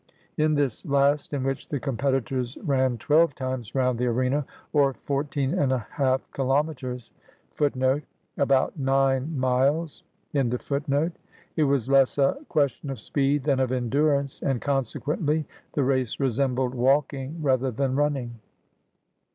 In this last, in which the competitors ran twelve times round the arena, or fourteen and a half kilometres,^ it was less a question of speed than of endurance, and consequently the race resembled walking rather than running.